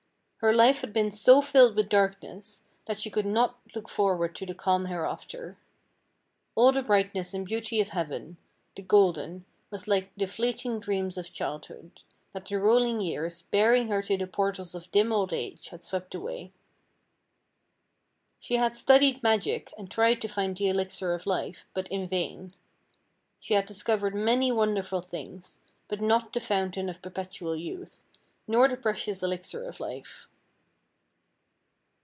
Her life had been so filled with darkness, that she could not look forward to the calm hereafter. All the brightness and beauty of heaven, the golden, was like the fleeting dreams of childhood, that the rolling years, bearing her to the portals of dim old age, had swept away. She had studied magic, and tried to find the elixir of life, but in vain. She had discovered many wonderful things, but not the fountain of perpetual youth, nor the precious elixir of life.